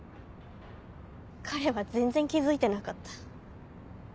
彼は全然気づいてなかった。